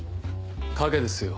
影ですよ。